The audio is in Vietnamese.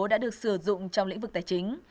đã được sử dụng trong lĩnh vực tài chính